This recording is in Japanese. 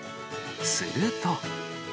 すると。